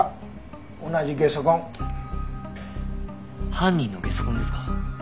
犯人のゲソ痕ですか？